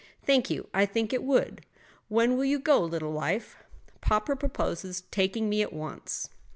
"Thank you; I think it would. When will you go, little wife?" "Papa proposes taking me at once."